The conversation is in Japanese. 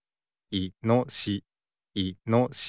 いのしし。